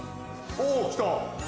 おぉ来た。